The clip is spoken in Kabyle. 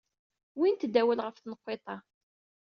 Uwyent-d awal ɣef tenqiḍt-a.